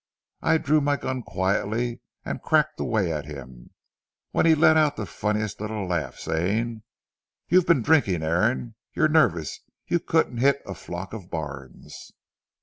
I drew my gun quietly and cracked away at him, when he let out the funniest little laugh, saying: 'You've been drinking, Aaron; you're nervous; you couldn't hit a flock of barns.'